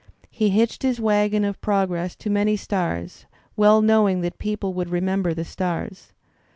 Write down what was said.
He hitched his wagon of progress to many stars, well knowing that people would remember the stars.